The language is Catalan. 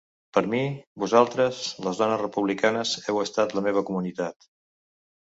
Per mi, vosaltres, les dones republicanes, heu estat la meva comunitat.